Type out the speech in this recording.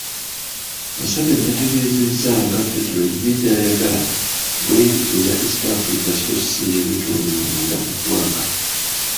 Museveni yategeezezza nga Federo ye gy'ayagala bw'eri eya East Africa so ssi ey’ebitundu munda mu ggwanga.